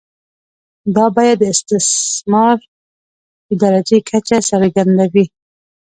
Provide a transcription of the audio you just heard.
دا بیه د استثمار د درجې کچه څرګندوي